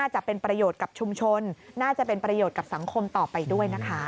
จะเป็นประโยชน์กับสังคมต่อไปด้วยนะคะ